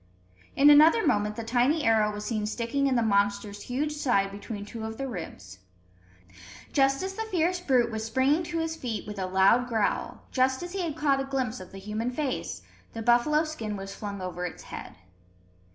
In another moment the tiny arrow was seen sticking in the monster's huge side between two of the ribs. Just as the fierce brute was springing to his feet with a loud growl, just as he had caught a glimpse of the human face, the buffalo skin was flung over its head.